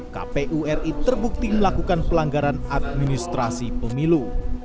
kpu ri terbukti melakukan pelanggaran administrasi pemilu